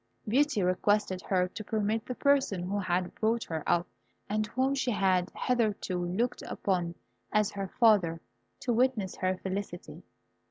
Beauty requested her to permit the person who had brought her up, and whom she had hitherto looked upon as her father, to witness her felicity.